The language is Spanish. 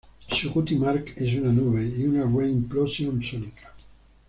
Su Cutie Mark es una nube y una rain-plosión sónica.